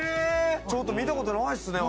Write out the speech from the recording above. ちょっと見たことないっすね